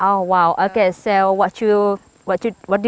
oh wow oke jadi apa pendapatmu tentang tempat ini